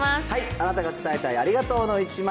あなたが伝えたいありがとうの１枚。